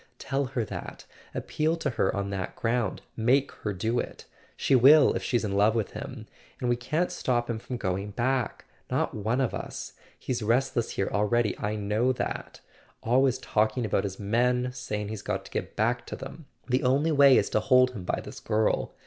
Tell her that— appeal to her on that ground. Make her do it. She will if she's in love with him. And we can't stop him from going back—not one of us. He's restless here already—I know that. Always talking about his men, saying he's got to get back to them. The only way is to hold him by this girl.